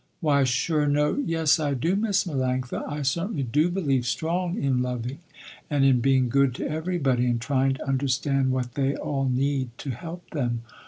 "Why sure no, yes I do Miss Melanctha, I certainly do believe strong in loving, and in being good to everybody, and trying to understand what they all need, to help them."